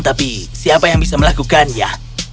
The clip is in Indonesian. tapi siapa yang bisa melakukannya